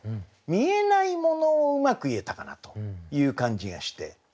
見えないものをうまく言えたかなという感じがして。